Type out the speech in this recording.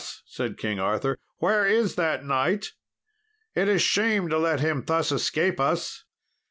said King Arthur, "where is that knight? it is shame to let him thus escape us."